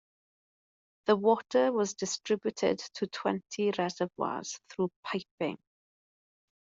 The water was distributed to twenty reservoirs through piping.